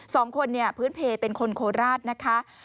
สองคนเนี่ยพื้นเพลเป็นคนโคราชนะคะ